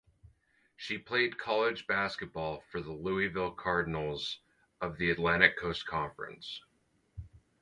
She played college basketball for the Louisville Cardinals of the Atlantic Coast Conference.